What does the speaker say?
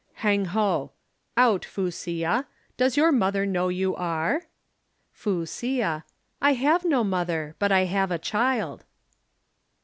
"'Hang ho: Out, Fu sia, does your mother know you are? "'Fu sia: I have no mother, but I have a child.'"